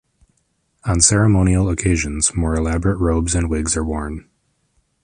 On ceremonial occasions more elaborate robes and wigs are worn.